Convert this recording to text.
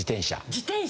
自転車？